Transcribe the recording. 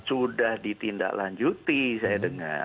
sudah ditindaklanjuti saya dengar